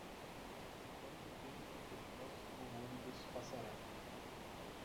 Quanto tempo o próximo ônibus passará?